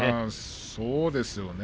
そうですよね。